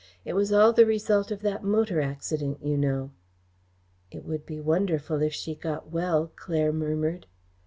It was all the result of that motor accident, you know." "It would be wonderful if she got well," Claire murmured.